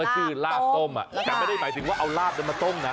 ชื่อลาบต้มแต่ไม่ได้หมายถึงว่าเอาลาบมาต้มนะ